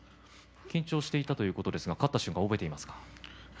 緊張していたということですが勝った瞬間どうでしたか？